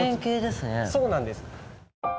そうなんです。